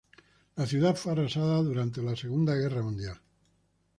La ciudad fue arrasada durante la Segunda Guerra Mundial.